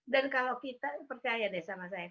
kalau kita percaya deh sama saya